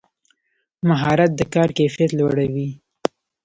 مهارت د کار کیفیت لوړوي